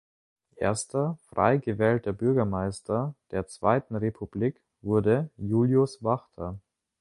Erster frei gewählter Bürgermeister der Zweiten Republik wurde Julius Wachter.